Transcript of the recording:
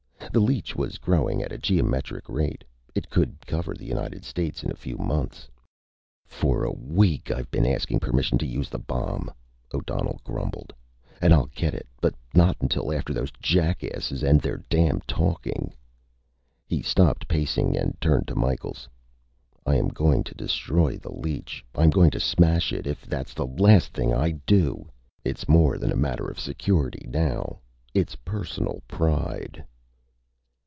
The leech was growing at a geometric rate. It could cover the United States in a few months. "For a week I've been asking permission to use the bomb," O'Donnell grumbled. "And I'll get it, but not until after those jackasses end their damned talking." He stopped pacing and turned to Micheals. "I am going to destroy the leech. I am going to smash it, if that's the last thing I do. It's more than a matter of security now. It's personal pride."